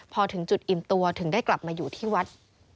พอถึงจุดอิ่มตัวถึงได้กลับมาอยู่ที่วัด